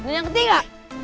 dan yang ketiga